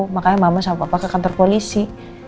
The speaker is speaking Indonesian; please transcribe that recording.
makanya mama sama papa ke kantor polisi